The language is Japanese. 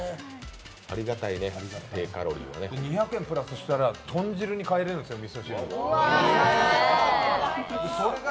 ２００円プラスしたらとん汁に代えられるんですよ、みそ汁が。